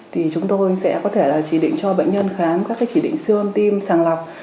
thì chúng tôi sẽ có thể là chỉ định cho bệnh nhân khám các chỉ định siêu âm tim sàng lọc